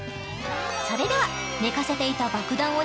それでは寝かせていた爆弾